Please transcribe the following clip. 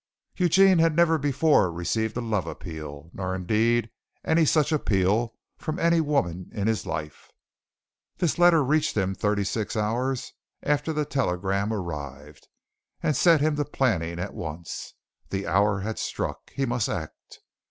Eugene had never before received a love appeal, nor indeed any such appeal from any woman in his life. This letter reached him thirty six hours after the telegram arrived, and set him to planning at once. The hour had struck. He must act.